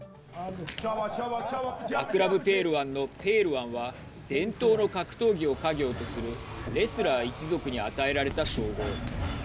アクラム・ペールワンのペールワンは伝統の格闘技を家業とするレスラー一族に与えられた称号。